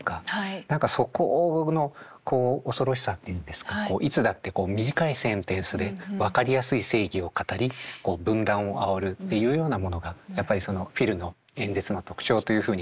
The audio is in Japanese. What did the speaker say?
何かそこのこう恐ろしさっていうんですかいつだってこう短いセンテンスで分かりやすい正義を語り分断をあおるっていうようなものがやっぱりそのフィルの演説の特徴というふうに書かれているんですが。